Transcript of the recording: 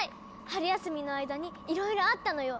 春休みの間にいろいろあったのよ。